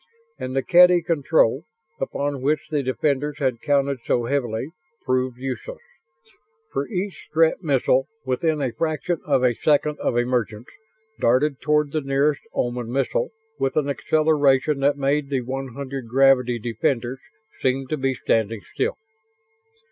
And the Kedy control, upon which the defenders had counted so heavily, proved useless. For each Strett missile, within a fraction of a second of emergence, darted toward the nearest Oman missile with an acceleration that made the one hundred gravity defenders seem to be standing still.